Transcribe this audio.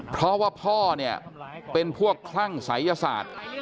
เพราะว่าพ่อเนี่ยเป็นพวกคลั่งศัยยศาสตร์